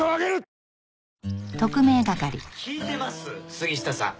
杉下さん。